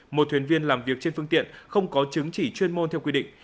một thuyền viên làm việc trên phương tiện không có chứng chỉ chuyên môn theo quy định